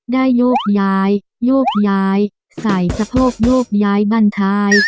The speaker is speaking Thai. โยกย้ายโยกย้ายใส่สะโพกโยกย้ายบ้านท้าย